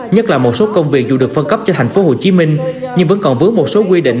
nhất là một số công việc dù được phân cấp cho thành phố hồ chí minh nhưng vẫn còn vứa một số quy định